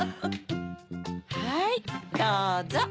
はいどうぞ！